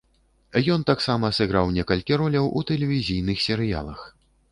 Ён таксама сыграў некалькі роляў у тэлевізійных серыялах.